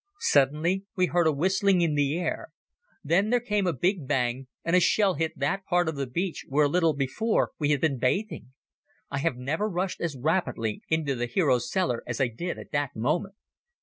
Suddenly we heard a whistling in the air; then there came a big bang and a shell hit that part of the beach where a little before we had been bathing. I have never rushed as rapidly into the hero's cellar as I did at that moment.